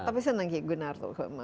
tapi senang juga narto